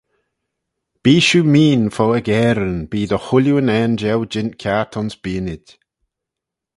Bee shiu meen fo aggairyn bee dy-chooilley unnane jeu jeant kiart ayns beaynid.